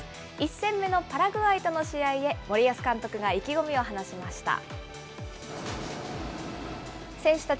１戦目のパラグアイとの試合で森保監督が意気込みを話しました。